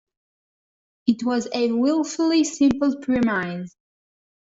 It was a wilfully simple premise.